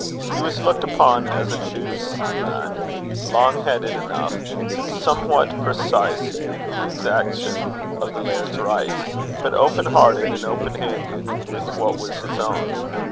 He was looked upon as a douce man, long headed enough, and somewhat precise in the exaction of the laird's rights, but open hearted and open handed with what was his own.